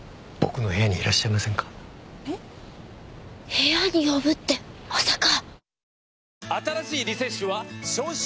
部屋に呼ぶってまさか！